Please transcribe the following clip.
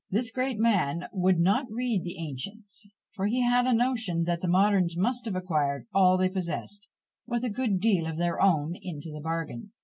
This great man would not read the ancients; for he had a notion that the moderns must have acquired all they possessed, with a good deal of their own "into the bargain."